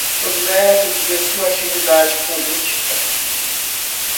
os métodos de sua atividade política